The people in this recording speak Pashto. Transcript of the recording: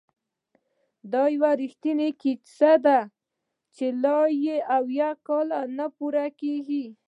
دا یو رښتینې کیسه ده چې لا یې اویا کاله نه پوره کیږي!